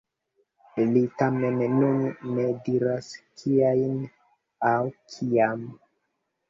Li tamen nun ne diras kiajn aŭ kiam.